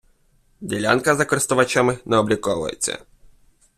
Ділянка за користувачами не обліковується.